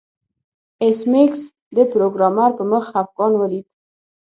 ایس میکس د پروګرامر په مخ خفګان ولید